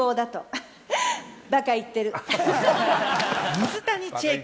水谷千重子